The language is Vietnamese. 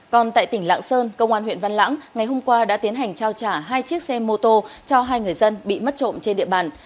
còn tại tỉnh lạng sơn công an huyện văn lãng ngày hôm qua đã tiến hành trao trả hai chiếc xe mô tô cho hai người dân bị mất trộm trên địa bàn